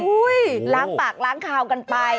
อุ๊ยล้างปากล้างขาวกันไป